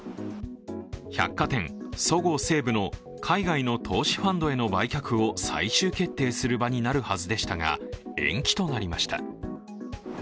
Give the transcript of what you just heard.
百貨店そごう・西武の海外の投資ファンドへの売却を最終決定する場になるはずでしたが、延期となりました。